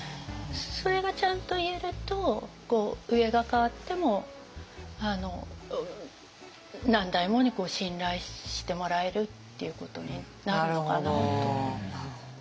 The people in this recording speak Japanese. それがちゃんと言えると上が代わっても何代もに信頼してもらえるっていうことになるのかなと思います。